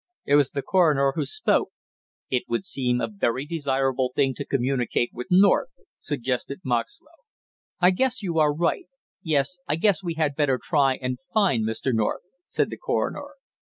It was the coroner who spoke. "It would seem a very desirable thing to communicate with North," suggested Moxlow. "I guess you are right; yes, I guess we had better try and find Mr. North," said the coroner.